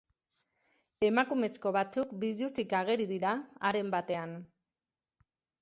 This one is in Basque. Emakumezko batzuk biluzik ageri dira, haren batean.